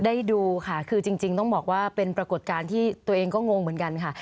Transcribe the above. ได้ดูค่ะคือจริงต้องบอกว่าเป็นปรากฏการณ์ที่ตัวเองก็งงเหมือนกันค่ะ